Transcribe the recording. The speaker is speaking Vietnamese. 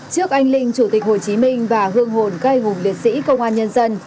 trước anh linh chủ tịch hồ chí minh và hương hồn cây hùng liệt sĩ công an nhân dân